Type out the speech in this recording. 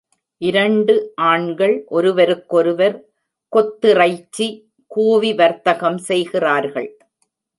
இரண்டு ஆண்கள் ஒருவருக்கொருவர் தொத்திறைச்சி கூவி வர்த்தகம் செய்கிறார்கள்.